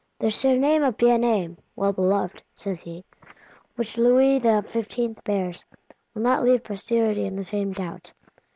"The Surname of Bien aimé (Well beloved)," says he, "which Louis XV. bears, will not leave posterity in the same doubt.